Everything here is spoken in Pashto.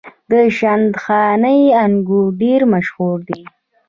د شندخاني انګور ډیر مشهور دي.